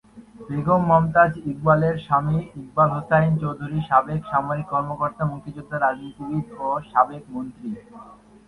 বেগম মমতাজ ইকবালের স্বামী ইকবাল হোসাইন চৌধুরী সাবেক সামরিক কর্মকর্তা, মুক্তিযোদ্ধা, রাজনীতিবিদ ও সাবেক মন্ত্রী।